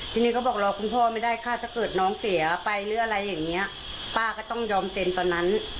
ทีนี้เขาบอกรอคุณพ่อไม่ได้ค่ะถ้าเกิดน้องเสียไปหรืออะไรอย่างเงี้ยป้าก็ต้องยอมเซ็นตอนนั้น